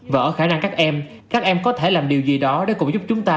và ở khả năng các em các em có thể làm điều gì đó để cũng giúp chúng ta